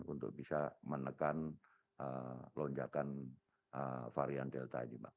untuk bisa menekan lonjakan varian delta ini mbak